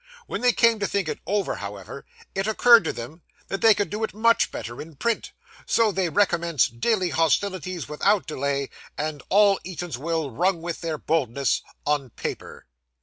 When they came to think it over, however, it occurred to them that they could do it much better in print, so they recommenced deadly hostilities without delay; and all Eatanswill rung with their boldness on paper.